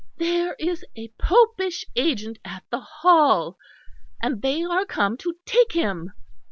There is a popish agent at the Hall, and they are come to take him."